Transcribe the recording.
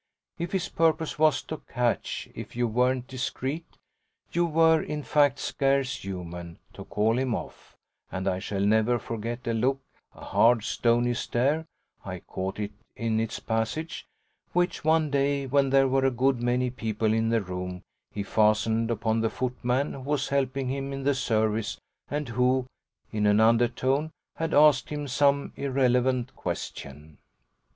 If his purpose was to catch it you weren't discreet, you were in fact scarce human, to call him off, and I shall never forget a look, a hard stony stare I caught it in its passage which, one day when there were a good many people in the room, he fastened upon the footman who was helping him in the service and who, in an undertone, had asked him some irrelevant question.